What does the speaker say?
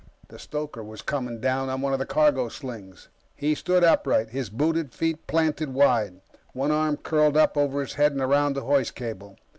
The stoker was coming down on one of the cargo slings. He stood upright, his booted feet planted wide, one arm curled up over his head and around the hoist cable.